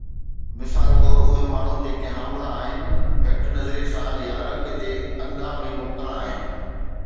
مثال طور، اهي ماڻهو جيڪي حامله آهن گهٽ نظريي سان يا رنگ جي انڌا ۾ مبتلا آهن